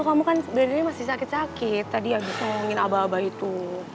kamu kan sebenarnya masih sakit sakit tadi abis ngomongin abah abah itu